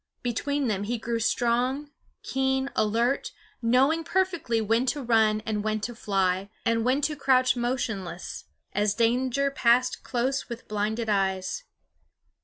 Between them he grew strong, keen, alert, knowing perfectly when to run and when to fly and when to crouch motionless, as danger passed close with blinded eyes.